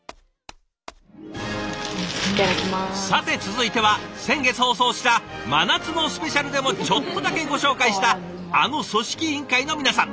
さて続いては先月放送した「真夏のスペシャル！」でもちょっとだけご紹介したあの組織委員会の皆さん。